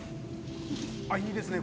いいですね！